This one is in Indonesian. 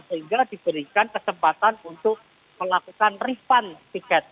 sehingga diberikan kesempatan untuk melakukan refund tiket